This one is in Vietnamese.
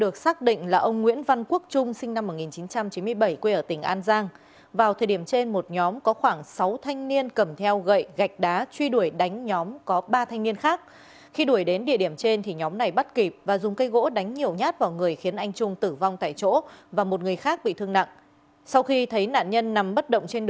các bạn hãy đăng ký kênh để ủng hộ kênh của chúng mình nhé